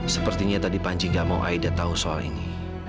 sepertinya tadi panji gak mau aida tahu soal ini